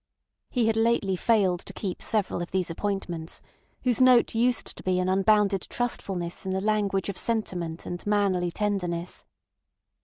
He had lately failed to keep several of these appointments, whose note used to be an unbounded trustfulness in the language of sentiment and manly tenderness.